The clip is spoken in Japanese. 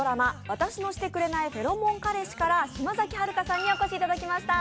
「私のシてくれないフェロモン彼氏」から島崎遥香さんにお越しいただきました。